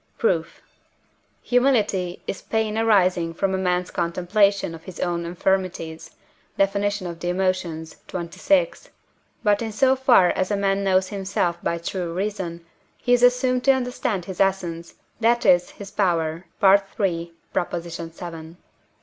Proof. Humility is pain arising from a man's contemplation of his own infirmities (Def. of the Emotions, xxvi.). But, in so far as a man knows himself by true reason, he is assumed to understand his essence, that is, his power (III. vii.).